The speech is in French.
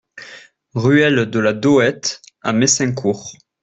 Ruelle de la Dohette à Messincourt